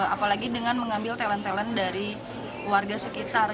apalagi dengan mengambil talent talent dari warga sekitar